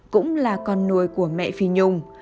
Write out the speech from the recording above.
cũng là con nuôi của mẹ phi nhung